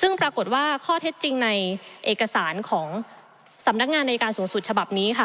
ซึ่งปรากฏว่าข้อเท็จจริงในเอกสารของสำนักงานในการสูงสุดฉบับนี้ค่ะ